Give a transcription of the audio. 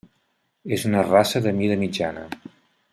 És una raça de mida mitjana.